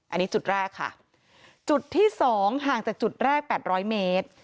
อันนี้จุดแรกค่ะจุดที่สองห่างจากจุดแรก๘๐๐เมตร